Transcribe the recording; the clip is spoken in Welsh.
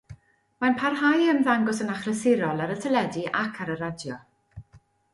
Mae'n parhau i ymddangos yn achlysurol ar y teledu ac ar y radio.